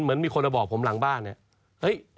เหมือนมีคนมาบอกผมหลังบ้านเนี่ยเฮ้ย